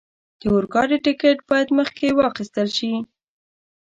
د اورګاډي ټکټ باید مخکې واخستل شي.